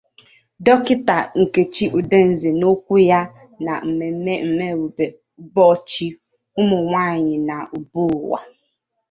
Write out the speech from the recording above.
Dọkịta Nkechi Udeze n'okwu ya na mmemme imerube ụbọchị ụmụnwaanyị na mba ụwa